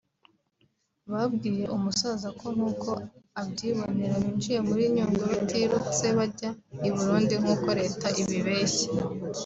Babwiye umusaza ko nk’uko abyibonera binjiye muri Nyungwe batirutse bajya i Burundi nk’uko leta ibibeshya